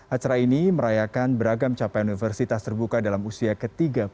acara ini merayakan beragam capaian universitas terbuka dalam usia ke tiga puluh satu